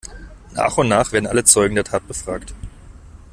Nach und nach werden alle Zeugen der Tat befragt.